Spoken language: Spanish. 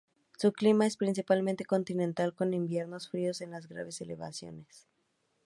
Su clima es principalmente continental con inviernos fríos en las grandes elevaciones.